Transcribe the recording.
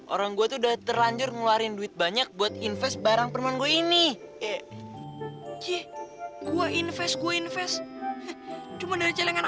orang gue dah terlanjur ngeluarin duit banyak buat invest barang permainan gue ini